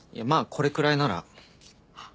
これくらいあっ！